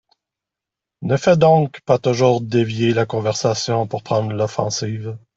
Ne fais donc pas toujours dévier la conversation pour prendre l’offensive !